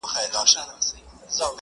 پر حقیقت به سترگي وگنډي خو.